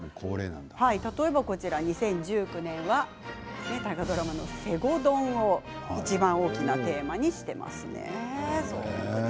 例えば、こちら２０１９年は大河ドラマの「西郷どん」をいちばん大きなテーマにしました。